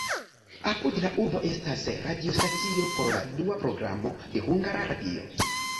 Apud la urbo estas radiostacio por la dua programo de Hungara Radio.